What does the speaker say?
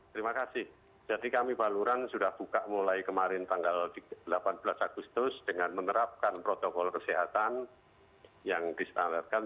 terima kasih jadi kami baluran sudah buka mulai kemarin tanggal delapan belas agustus dengan menerapkan protokol kesehatan yang distandarkan